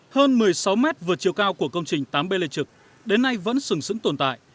hơn một mươi sáu mét vượt chiều cao của công trình tám b lê trực đến nay vẫn sừng sững tồn tại